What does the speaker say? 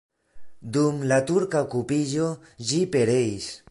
Dum la turka okupiĝo ĝi pereis.